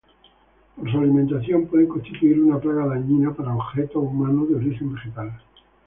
Por su alimentación pueden constituir una plaga dañina para objetos humanos de origen vegetal.